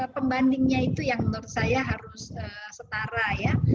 pembandingnya itu yang menurut saya harus setara ya